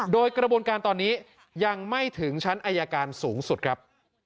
โดยกระบวนการตอนนี้ยังไม่ถึงชั้นอายการสูงสุดครับ